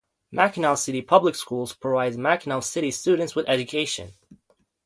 Mackinaw City Public Schools provides Mackinaw City students with education.